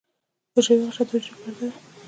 حجروی غشا د حجرې پرده ده